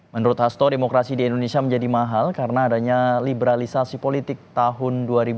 menurut hasto demokrasi di indonesia menjadi mahal karena adanya liberalisasi politik tahun dua ribu dua puluh